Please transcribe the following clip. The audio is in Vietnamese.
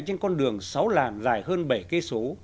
trên con đường sáu làng dài hơn bảy kế số